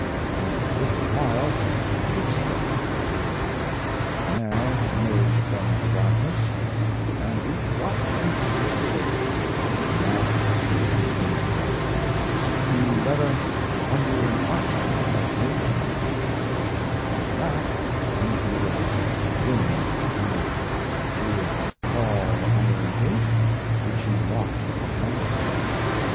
In a little while footsteps were heard, a man emerged from the darkness, and we dropped into his wake without saying anything. He led us under an archway of masonry, and from that into a roomy tunnel, through a tall iron gate, which he locked behind us.